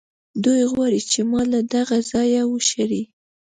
دوی غواړي چې ما له دغه ځایه وشړي.